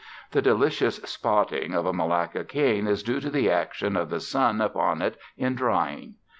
The delicious spotting of a Malacca cane is due to the action of the sun upon it in drying.